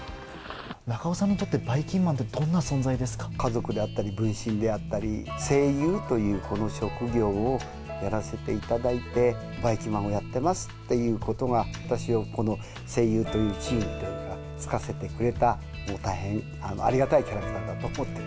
中尾さんにとって、ばいきんまんって、家族であったり、分身であったり、声優というこの職業をやらせていただいて、ばいきんまんをやってますっていうことが、私をこの声優という地位に就かせてくれた大変ありがたいキャラク